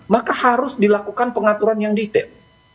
maka harus dilakukan pengaturan yang detail